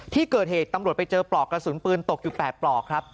ที่เกิดเหตุตำรวจไปเจอปลอกกระสุนปืนตกอยู่๘ปลอกครับ